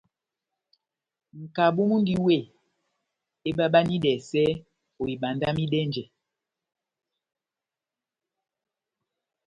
Nʼkabu múndi wéh ebabanidɛsɛ ohibandamidɛnjɛ.